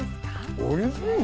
おいしいね。